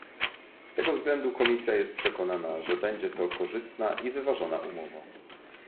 Z tego względu Komisja jest przekonana, że będzie to korzystna i wyważona umowa